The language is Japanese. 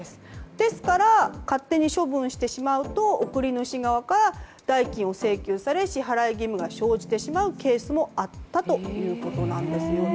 ですから勝手に処分してしまうと送り主側から代金を請求や支払い義務が生じてしまうケースがあったそうなんです。